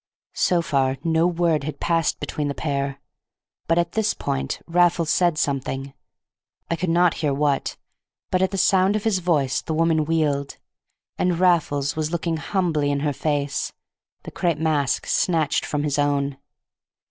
So far no word had passed between the pair. But at this point Raffles said something, I could not hear what, but at the sound of his voice the woman wheeled. And Raffles was looking humbly in her face, the crape mask snatched from his own.